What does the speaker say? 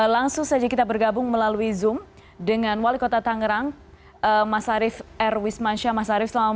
langsung saja kita bergabung melalui zoom dengan wali kota tangerang mas arief r wismansyah mas arief